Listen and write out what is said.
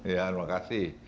ya terima kasih